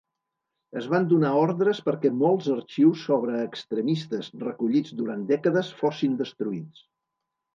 Es van donar ordres perquè molts arxius sobre extremistes, recollits durant dècades, fossin destruïts.